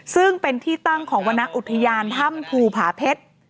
ซึ่งเป็นที่ตั้งของวรรณอุทยานถ้ำภูผาเพชร